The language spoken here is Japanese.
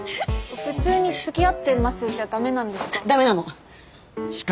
普通につきあってますじゃダメなんですか？